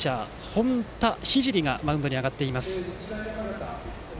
本田聖がマウンドに上がります。